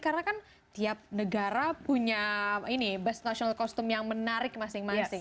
karena kan tiap negara punya ini best national costume yang menarik masing masing